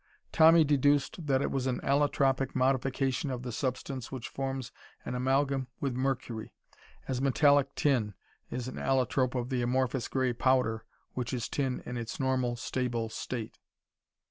Tommy deduced that it was an allotropic modification of the substance which forms an amalgam with mercury, as metallic tin is an allotrope of the amorphous gray powder which is tin in its normal, stable state.